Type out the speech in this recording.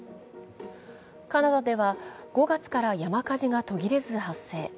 カナダでは５月から山火事が途切れず発生。